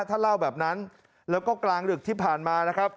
ท่านเล่าแบบนั้นแล้วก็กลางดึกที่ผ่านมานะครับ